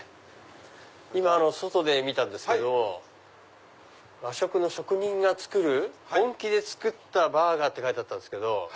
今外で見たんですけど和食の職人が作る本気で作ったバーガーって書いてあったんです。